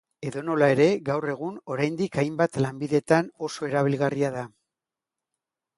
Edonola ere, gaur egun, oraindik, hainbat lanbidetan oso erabilgarria da.